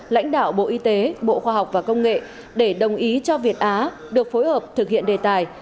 lãnh đạo bộ y tế bộ khoa học và công nghệ để đồng ý cho việt á được phối hợp thực hiện đề tài